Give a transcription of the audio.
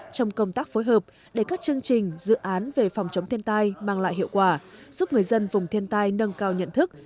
trong công tác phối hợp để các chương trình dự án về phòng chống thiên tai mang lại hiệu quả giúp người dân vùng thiên tai nâng cao nhận thức